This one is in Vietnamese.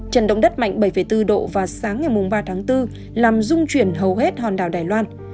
trận động đất mạnh bảy bốn độ vào sáng ngày ba tháng bốn làm dung chuyển hầu hết hòn đảo đài loan